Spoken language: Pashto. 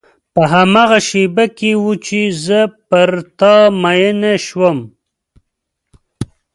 په هماغه شېبه کې و چې زه پر تا مینه شوم.